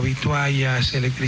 kita menanggung semua itu